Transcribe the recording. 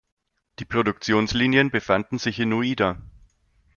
Die Produktionslinien befanden sich in Noida.